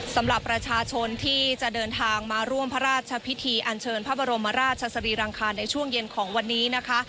สำหรับประชาชนที่จะเดินทางมาร่วมพระราชพิธีอันเชิญพระบรมราชสรีรังคารในช่วงเย็นของวันนี้นะคะ